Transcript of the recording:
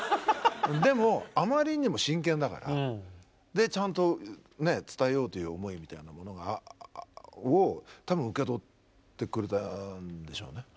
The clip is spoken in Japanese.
でもあまりにも真剣だからちゃんと伝えようという思いみたいなものを多分受け取ってくれたんでしょうね。